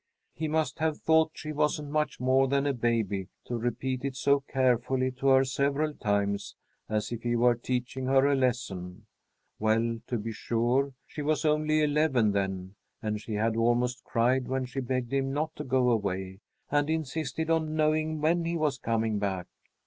He must have thought she wasn't much more than a baby to repeat it so carefully to her several times, as if he were teaching her a lesson. Well, to be sure, she was only eleven then, and she had almost cried when she begged him not to go away, and insisted on knowing when he was coming back.